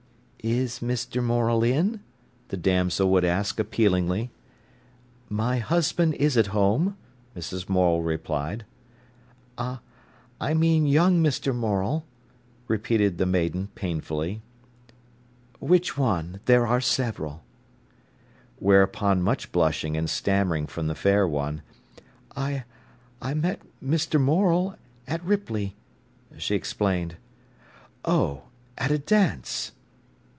"Is Mr. Morel in?" the damsel would ask appealingly. "My husband is at home," Mrs. Morel replied. "I—I mean young Mr. Morel," repeated the maiden painfully. "Which one? There are several." Whereupon much blushing and stammering from the fair one. "I—I met Mr. Morel—at Ripley," she explained. "Oh—at a dance!"